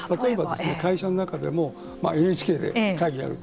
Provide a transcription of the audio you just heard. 会社の中でもＮＨＫで会議をやると。